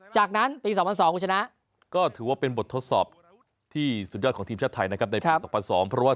จากนั้นส่วนสองชนะก็ถือว่าเป็นบททศอบที่สุดยอดของทิศชาติไทยนะครับในครับปรุงสร้างเพราะว่า